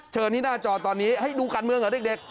เชิญที่หน้าจอตอนนี้ให้ดูการเมืองเหรอเด็ก